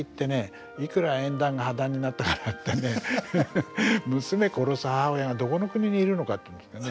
いくら縁談が破談になったからってね娘殺す母親がどこの国にいるのかっていうんですかね。